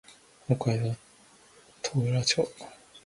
北海道豊浦町